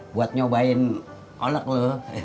buat nyobain kolek lu